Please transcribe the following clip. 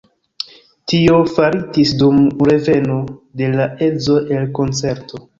Tio faritis dum reveno de la edzo el koncerto.